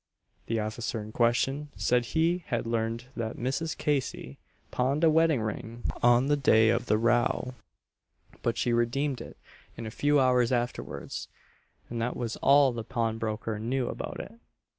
The Officer in question said he had learned that Mrs. Casey pawned a wedding ring on the day of the row, but she redeemed it in a few hours afterwards, and that was all the pawnbroker knew about it.